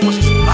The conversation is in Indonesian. masuk ke rumah